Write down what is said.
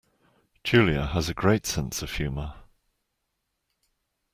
Julia has a great sense of humour